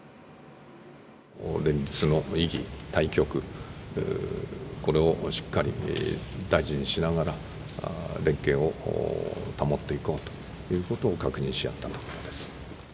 連立の意義、大局、これをしっかり大事にしながら、連携を保っていこうということを確認し合ったところです。